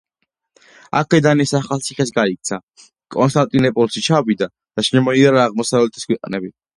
აქედან ის ახალციხეს გაიქცა, კონსტანტინოპოლში ჩავიდა და შემოიარა აღმოსავლეთის ქვეყნები.